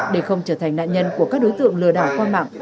để không trở thành nạn nhân của các đối tượng lừa đảo qua mạng